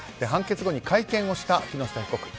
判決後に会見をした木下被告。